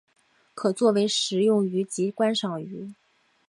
可做为食用鱼及观赏鱼。